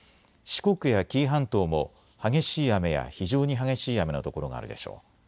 四国や紀伊半島も激しい雨や非常に激しい雨の所があるでしょう。